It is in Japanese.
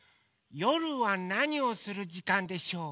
よるはなにをするじかんでしょう？